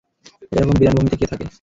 এরকম বিরান ভূমিতে কে থাকে?